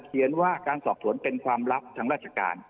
เขียนว่าการสอบสวนเป็นความลับทางราชการ